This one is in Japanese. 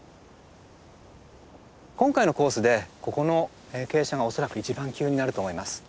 今回のコースでここの傾斜が恐らく一番急になると思います。